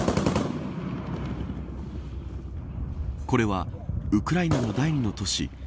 これはウクライナの第２の都市